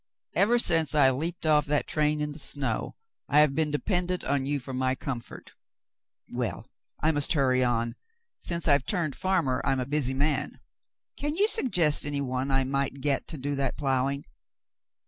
Ever since I leaped off that train in the snow, I have been dependent on you for my comfort. Well, I must hurry on ; since I've turned farmer I'm a busy man. Can you suggest any one I might get to do that ploughing?